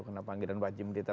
kena panggilan wajib militer